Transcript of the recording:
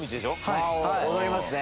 はい踊りますね。